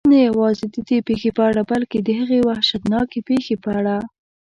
نه یوازې ددې پېښې په اړه بلکې د هغې وحشتناکې پېښې په اړه.